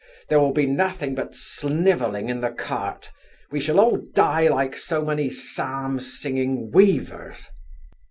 there will be nothing but snivelling in the cart we shall all die like so many psalm singing weavers.